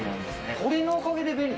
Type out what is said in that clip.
これのおかげで便利？